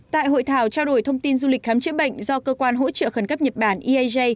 tại hội thảo trao đổi thông tin du lịch khám chữa bệnh do cơ quan hỗ trợ khẩn cấp nhật bản iaj